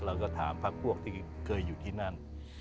เราก็ถามพักพวกที่เคยอยู่ที่นั่น